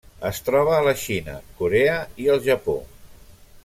Es troba a la Xina, Corea i el Japó.